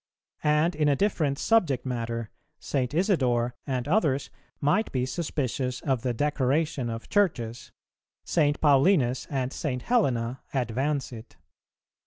And in a different subject matter, St. Isidore and others might be suspicious of the decoration of Churches; St. Paulinus and St. Helena advance it.